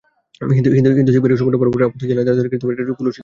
হিন্দু সিপাহিরা সমুদ্র পারাপারে আপত্তি জানায়, কারণ এটা তাদের জাতকে কলুষিত করবে।